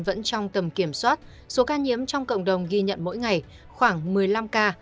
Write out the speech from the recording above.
vẫn trong tầm kiểm soát số ca nhiễm trong cộng đồng ghi nhận mỗi ngày khoảng một mươi năm ca